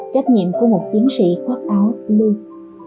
trách nhiệm của một chiến sĩ hoác áo luôn